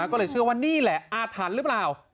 ก็เลยเชื่อว่านี่แหละอาถรรพ์หรือเปล่า